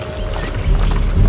aku akan mencari panggilan ilario